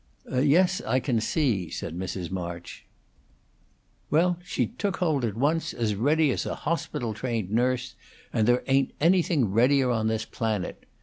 "Yes, I can see," said Mrs. March. "Well, she took hold at once, as ready as a hospital trained nurse; and there ain't anything readier on this planet.